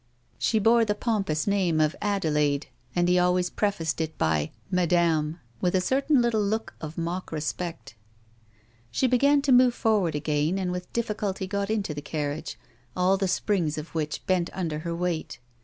9 She bore the pompous name of Adelaide, and he always prefaced it by " madame " with a certain little look of mock respect. She began to move forward again, and with difficulty got into the carriage, all the springs of which bent under her weight.